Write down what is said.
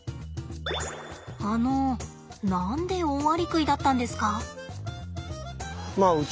あの何でオオアリクイだったんですか？